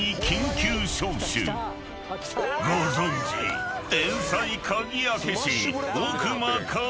［ご存じ天才鍵開け師］